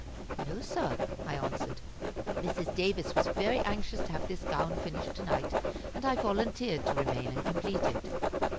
"No, sir," I answered. "Mrs. Davis was very anxious to have this gown finished to night, and I volunteered to remain and complete it."